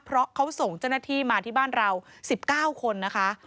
เพราะเขาส่งเจ้าหน้าที่มาที่บ้านเรา๑๙คนนะคะ